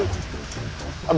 mama kok disini